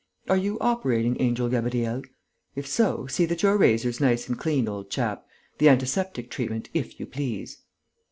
Are you operating, Angel Gabriel? If so, see that your razor's nice and clean, old chap! The antiseptic treatment, if you please!"